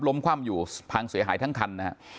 คว่ำอยู่พังเสียหายทั้งคันนะฮะ